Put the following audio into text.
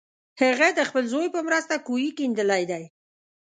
هغه د خپل زوی په مرسته کوهی کیندلی دی.